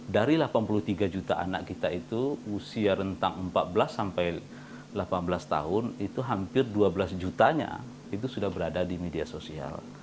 dari delapan puluh tiga juta anak kita itu usia rentang empat belas sampai delapan belas tahun itu hampir dua belas jutanya itu sudah berada di media sosial